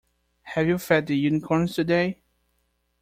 Have you fed the unicorns today?